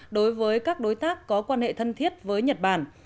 đối với các đối tác có quan hệ thân thiết với nhật bản